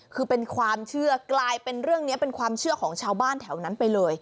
คือเป็นความเชื่อกลายเป็นเรื่องนี้เป็นความเชื่อของชาวบ้านแถวนั้นไปเลย